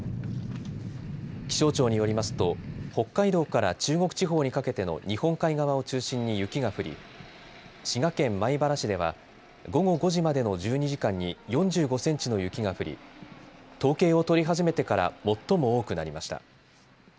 気象庁によりますと北海道から中国地方にかけての日本海側を中心に雪が降り滋賀県米原市では午後５時までの１２時間に４５センチの雪が降り統計を取り始めてから最も多くなりました。